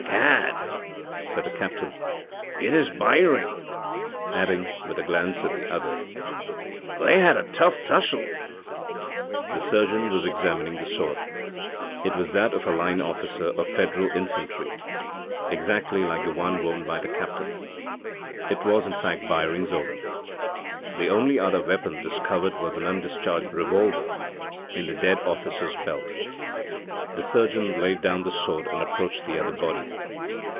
'Gad!' said the captain 'It is Byring!' adding, with a glance at the other, 'They had a tough tussle.' < 8 > The surgeon was examining the sword. It was that of a line officer of Federal infantry exactly like the one worn by the captain. It was, in fact, Byring's own. The only other weapon discovered was an undischarged revolver in the dead officer's belt. The surgeon laid down the sword and approached the other body.